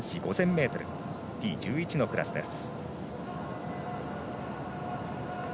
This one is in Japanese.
ｍＴ１１のクラスです。